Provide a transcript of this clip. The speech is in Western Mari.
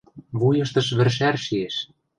вуйыштыш вӹршӓр шиэш.